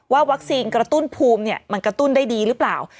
วัคซีนกระตุ้นภูมิมันกระตุ้นได้ดีหรือเปล่า